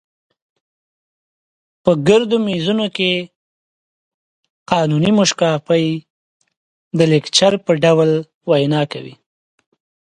په ګردو میزونو کې قانوني موشګافۍ د لیکچر په ډول وینا کوي.